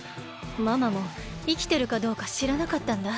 ママもいきてるかどうかしらなかったんだ。